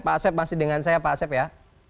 pak asep masih dengan saya pak asep ya